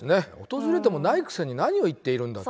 訪れてもないくせに何を言っているんだ。